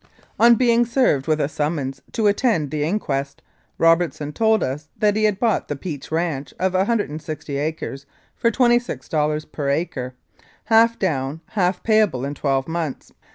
On being served with a summons to attend the in quest, Robertson told us that he had bought the Peach ranch of 160 acres for $26 per acre, half down, half pay able in twelve months.